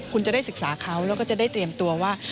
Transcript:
คุณจะได้ศึกษาเขาแล้วก็จะได้เตรียมตัวว่า